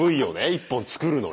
１本作るのに。